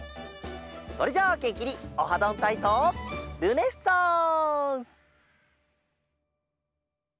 それじゃあげんきに「オハどんたいそう」ルネッサンス！